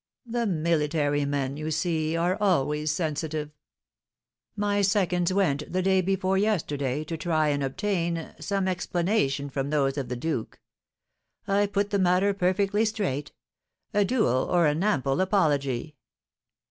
"The military men, you see, are always sensitive. My seconds went, the day before yesterday, to try and obtain some explanation from those of the duke. I put the matter perfectly straight, a duel or an ample apology."